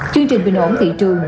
chương trình bình ổn thị trường